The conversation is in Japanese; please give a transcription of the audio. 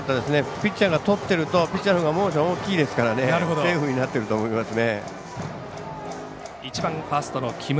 ピッチャーがとってるとピッチャーのほうがモーション大きいですからセーフになってると思いますね。